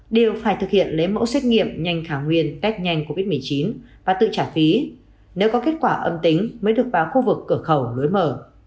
đều phải thực hiện lấy mẫu xét nghiệm nhanh thảo nguyên test nhanh covid một mươi chín và tự trả phí nếu có kết quả âm tính mới được vào khu vực cửa khẩu lối mở